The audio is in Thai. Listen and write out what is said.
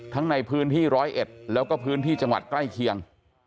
ในพื้นที่ร้อยเอ็ดแล้วก็พื้นที่จังหวัดใกล้เคียง